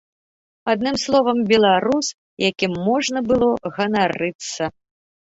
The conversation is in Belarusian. Адным словам, беларус, якім можна было ганарыцца.